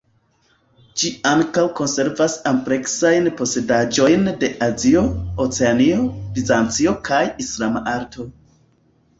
Ĝi ankaŭ konservas ampleksajn posedaĵojn de Azio, Oceanio, Bizancio, kaj Islama arto.